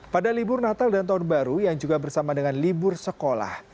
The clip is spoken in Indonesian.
pada libur natal dan tahun baru yang juga bersama dengan libur sekolah